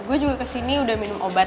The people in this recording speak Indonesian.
gue juga kesini udah minum obat